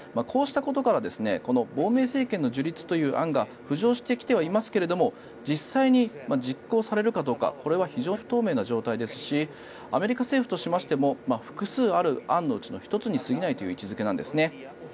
こうしたことから亡命政権の樹立という案が浮上してきてはいますけれど実際に実行されるかどうかこれは非常に不透明な状態ですしアメリカ政府としましても複数ある案の１つに過ぎないという位置付けなんです。